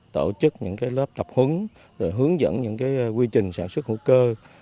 tổ chức những lớp tập hứng hướng dẫn những quy trình sản xuất hữu cơ